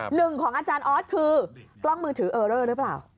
หนึ่งของอาจารย์ออสคือกล้องมือถือเออเลอร์หรือเปล่า